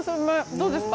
どうですか？